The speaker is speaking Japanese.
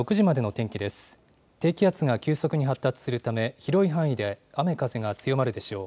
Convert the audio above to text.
低気圧が急速に発達するため、広い範囲で雨風が強まるでしょう。